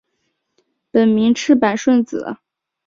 本名为赤坂顺子。